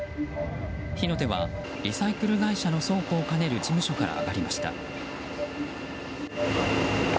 火の手はリサイクル会社の倉庫を兼ねる事務所から上がりました。